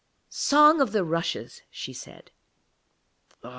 'Song of the Rushes,' she said.